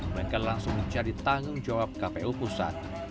mereka langsung mencari tanggung jawab kpu pusat